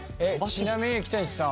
ちなみに北西さん